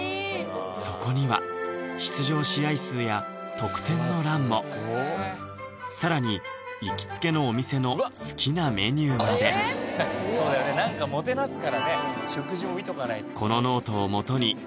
そこには出場試合数や得点の欄も更に行きつけのお店の好きなメニューまでそうだよね何かもてなすからね